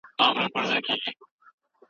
د عزت خاوندان تل په نېکۍ يادېږي.